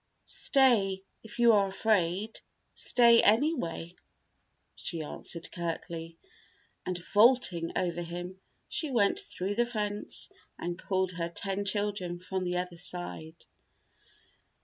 "Stay, if you are afraid. Stay, anyway," she answered, curtly, and vaulting over him, she went through the fence and called her ten children from the other side.